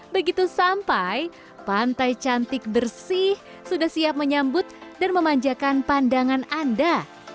begitu sampai pantai cantik bersih sudah siap menyambut dan memanjakan pandangan anda